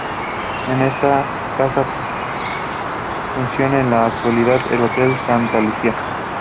En esta casa funciona en la actualidad el hotel Santa Lucía.